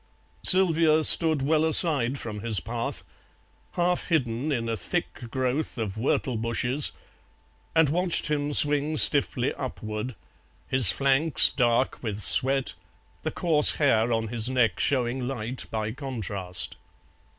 Sylvia stood well aside from his path, half hidden in a thick growth of whortle bushes, and watched him swing stiffly upward, his flanks dark with sweat, the coarse hair on his neck showing light by contrast.